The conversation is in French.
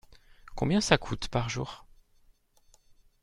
Combien ça coûte par jour ?